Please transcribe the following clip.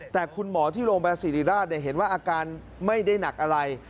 แต่คุณหมอที่โรงพยาบาลศิริราชเห็นว่าอาการไม่ได้หนักอะไร